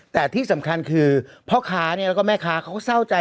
แต่ที่สำคัญคือพ่อค้าแล้วก็แม่ค้าเขาก็เศร้าใจ